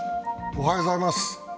おはようございます。